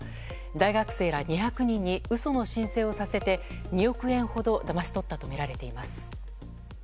大学生ら２００人に嘘の申請をさせて、２億円ほどだまし取ったとみられています。